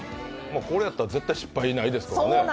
これやったら絶対失敗ないですね。